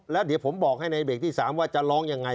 แล้วเดี๋ยวผมบอกให้ในเบรกที่๓ว่าจะร้องยังไง